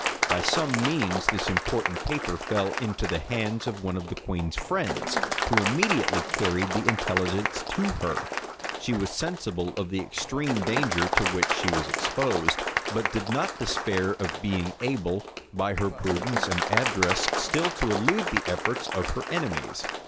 By some means this important paper fell into the hands of one of the queen's friends, who immediately carried the intelligence to her. She was sensible of the extreme danger to which she was exposed; but did not despair of being able, by her prudence and address, still to elude the efforts of her enemies.